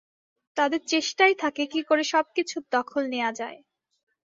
তাদের চেষ্টাই থাকে কী করে সবকিছুর দখল নেয়া যায়।